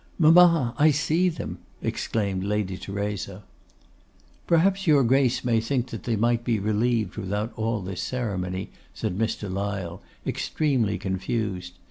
'Mamma, I see them!' exclaimed Lady Theresa. 'Perhaps your Grace may think that they might be relieved without all this ceremony,' said Mr. Lyle, extremely confused.